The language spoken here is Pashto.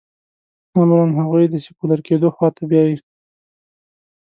عملاً هغوی د سیکولر کېدو خوا ته بیايي.